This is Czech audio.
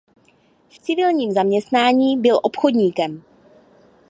V civilním zaměstnání byl obchodníkem.